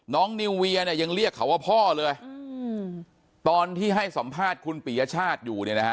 นิวเวียเนี่ยยังเรียกเขาว่าพ่อเลยตอนที่ให้สัมภาษณ์คุณปียชาติอยู่เนี่ยนะฮะ